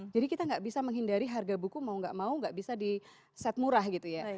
jadi kita gak bisa menghindari harga buku mau gak mau gak bisa di set murah gitu ya